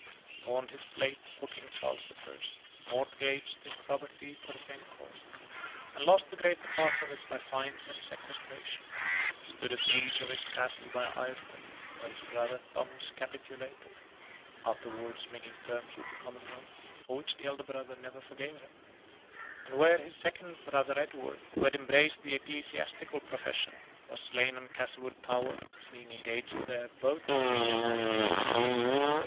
He pawned his plate for King Charles the First, mortgaged his property for the same cause, and lost the greater part of it by fines and sequestration: stood a siege of his castle by Ireton, where his brother Thomas capitulated (afterward making terms with the Commonwealth, for which the elder brother never forgave him), and where his second brother Edward, who had embraced the ecclesiastical profession, was slain on Castlewood Tower, being engaged there both as preacher and artilleryman.